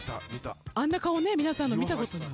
あんな顔皆さんの見たことない。